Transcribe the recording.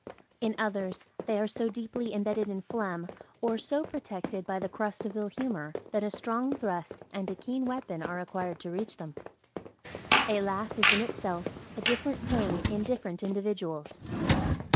In others, they are so deeply imbedded in phlegm, or so protected by the crust of ill humor, that a strong thrust and a keen weapon are required to reach them. A laugh is in itself a different thing in different individuals.